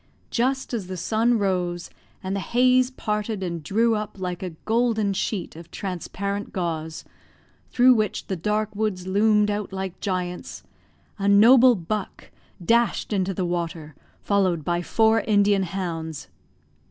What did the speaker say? Just as the sun rose, and the haze parted and drew up like a golden sheet of transparent gauze, through which the dark woods loomed out like giants, a noble buck dashed into the water, followed by four Indian hounds.